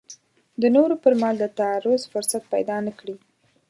د نورو پر مال د تعرض فرصت پیدا نه کړي.